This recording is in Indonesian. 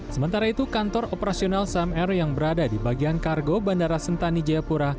sementara itu kantor operasional sam air yang berada di bagian kargo bandara sentani jayapura